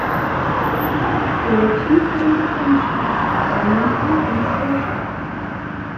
There are two kinds of Functions: Elementary and Social.